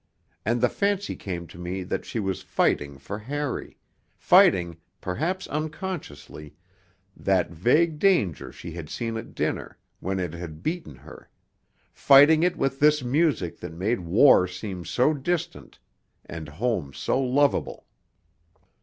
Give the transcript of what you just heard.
And the fancy came to me that she was fighting for Harry, fighting, perhaps unconsciously, that vague danger she had seen at dinner, when it had beaten her ... fighting it with this music that made war seem so distant and home so lovable....